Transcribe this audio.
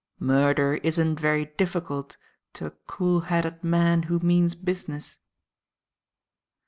Murder isn't very difficult to a cool headed man who means business."